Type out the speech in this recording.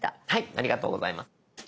ありがとうございます。